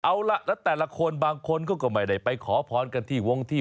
เอาล่ะแล้วแต่ละคนบางคนเขาก็ไม่ได้ไปขอพรกันที่วงที่